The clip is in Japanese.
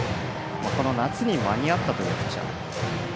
この夏に間に合ったというピッチャー。